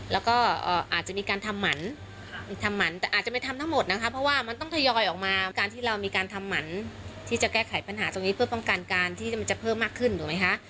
แล้วก็อาจจะมีการทำหมันทำหมันแต่อาจจะไม่ทำทั้งหมดนะคะเพราะว่ามันต้องทยอยออกมาการที่เรามีการทำหมันที่จะแก้ไขปัญหาตรงนี้เพื่อป้องกันการที่มันจะเพิ่มมากขึ้นถูกไหมคะ